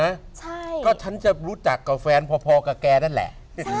ใช่ก็ฉันจะรู้จักกับแฟนพอกับแกนั่นแหละ